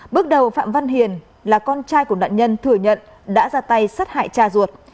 bước đầu phạm văn hiền là con trai của nạn nhân thừa nhận đã ra tay sát hại cha ruột